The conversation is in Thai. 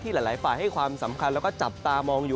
หลายฝ่ายให้ความสำคัญแล้วก็จับตามองอยู่